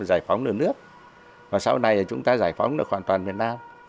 giải phóng được nước và sau này chúng ta giải phóng được hoàn toàn miền nam